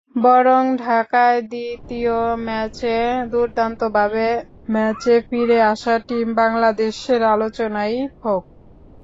বরং ঢাকায় দ্বিতীয় ম্যাচে দুর্দান্তভাবে ম্যাচে ফিরে আসা টিম বাংলাদেশের আলোচনাই হোক।